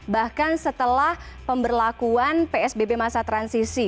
bahkan setelah pemberlakuan psbb masa transisi